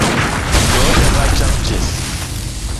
Loo yaga tjañtjes.